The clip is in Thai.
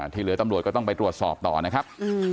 ที่เหลือตำรวจก็ต้องไปตรวจสอบต่อนะครับ